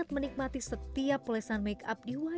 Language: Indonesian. kenapa bisa begini gini sayapnya